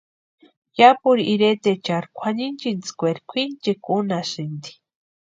Yapuru iretecharhu kwʼaninchintskweeri kwʼinchikwa únhasïnti.